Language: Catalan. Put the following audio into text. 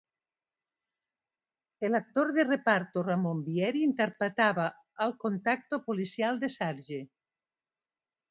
El actor de reparto Ramon Bieri interpretaba al contacto policial de Sarge.